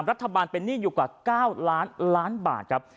รัฐบาลเป็นหนี้อยู่กว่า๙ล้านล้านบาทครับ